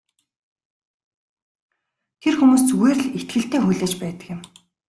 Тэр хүмүүс зүгээр л итгэлтэй хүлээж байдаг юм.